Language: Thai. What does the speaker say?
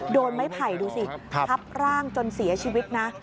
โดนไม้ไผ่ดูสิทับร่างจนเสียชีวิตนะ